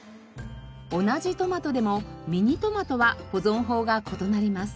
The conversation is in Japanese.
同じトマトでもミニトマトは保存法が異なります。